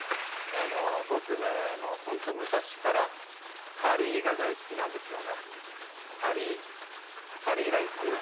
僕ねもうホント昔からカリーが大好きなんですよねカリーカリーライス